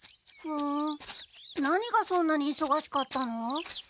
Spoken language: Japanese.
ふん何がそんなにいそがしかったの？